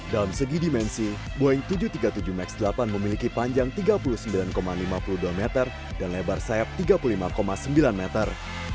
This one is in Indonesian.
dalam segi dimensi boeing tujuh ratus tiga puluh tujuh max delapan memiliki panjang tiga puluh sembilan lima puluh dua meter dan lebar sayap tiga puluh lima sembilan meter